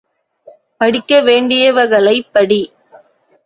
படிக்க வேண்டியவைகளைப் படி?